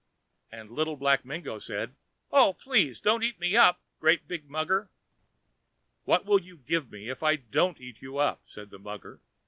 And Little Black Mingo said: "Oh! please don't eat me up, great big mugger!" "What will you give me if I don't eat you up?" said the mugger.